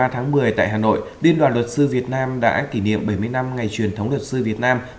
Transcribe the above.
ba tháng một mươi tại hà nội liên đoàn luật sư việt nam đã kỷ niệm bảy mươi năm ngày truyền thống luật sư việt nam